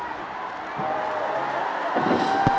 นายนารินนารุปากับนักฐาน